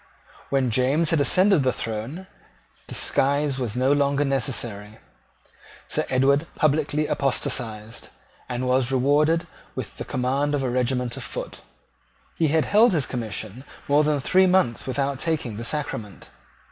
When James had ascended the throne, disguise was no longer necessary. Sir Edward publicly apostatized, and was rewarded with the command of a regiment of foot. He had held his commission more than three months without taking the sacrament.